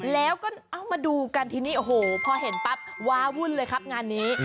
แล้วก็เอามาดูกันทีนี้โอ้โหพอเห็นปั๊บว้าวุ่นเลยครับงานนี้